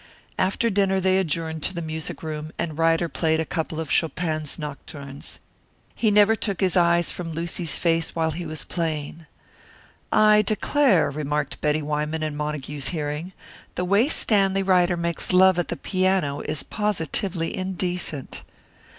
After dinner they adjourned to the music room, and Ryder played a couple of Chopin's Nocturnes. He never took his eyes from Lucy's face while he was playing. "I declare," remarked Betty Wyman in Montague's hearing, "the way Stanley Ryder makes love at the piano is positively indecent."